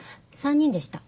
３人でした。